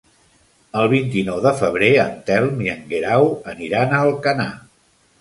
El vint-i-nou de febrer en Telm i en Guerau aniran a Alcanar.